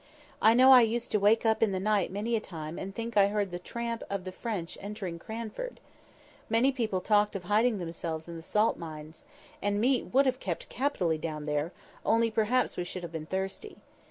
I know I used to wake up in the night many a time and think I heard the tramp of the French entering Cranford. Many people talked of hiding themselves in the salt mines—and meat would have kept capitally down there, only perhaps we should have been thirsty.